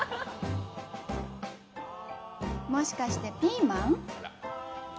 もしかしてピーマン？